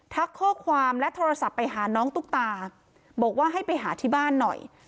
ข้อความและโทรศัพท์ไปหาน้องตุ๊กตาบอกว่าให้ไปหาที่บ้านหน่อย